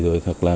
rồi thật là